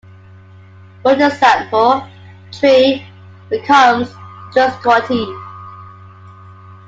Word Example: "Tree" becomes "Tutrugsquatee".